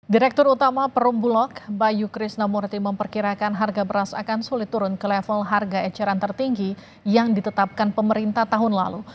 direktur utama perumbulok bayu krisnamurti memperkirakan harga beras akan sulit turun ke level harga eceran tertinggi yang ditetapkan pemerintah tahun lalu